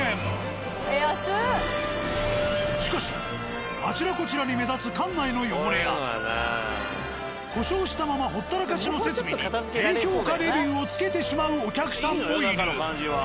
しかしあちらこちらに目立つ館内の汚れや故障したままほったらかしの設備に低評価レビューを付けてしまうお客さんもいる。